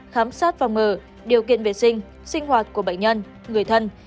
khám sát và ngờ điều kiện vệ sinh sinh hoạt của bệnh nhân người thân